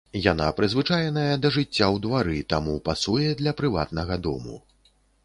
Яна прызвычаеная да жыцця ў двары, таму пасуе для прыватнага дому.